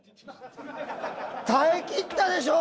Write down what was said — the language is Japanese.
耐えきったでしょう？